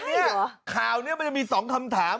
ใช่หรออันนี้ข่าวฯนี่ไปมีสองคำถาม